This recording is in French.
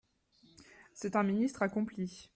C'est un ministre accompli.